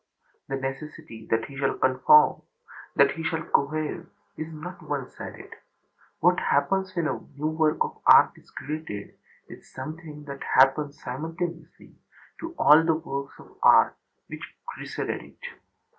The necessity that he shall conform, that he shall cohere, is not one sided; what happens when a new work of art is created is something that happens simultaneously to all the works of art which preceded it.